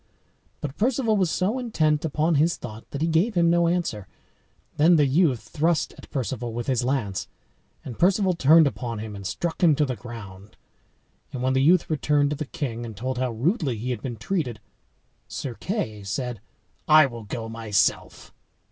But Perceval was so intent upon his thought that he gave him no answer. Then the youth thrust at Perceval with his lance; and Perceval turned upon him, and struck him to the ground. And when the youth returned to the king, and told how rudely he had been treated, Sir Kay said, "I will go myself."